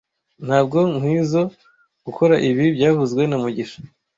Ntabwo nkwizoe gukora ibi byavuzwe na mugisha